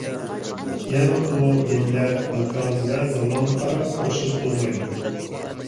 يەنى، ئۇ، مىللەت، ماكان ۋە زامانغا قاراپ ئوخشاش بولمايدۇ.